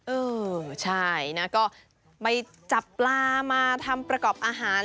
เออใช่นะก็ไปจับปลามาทำประกอบอาหาร